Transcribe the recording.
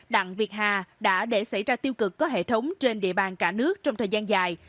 đặng việt hà đã để xảy ra tiêu cực có hệ thống trên địa bàn cả nước trong thời gian dài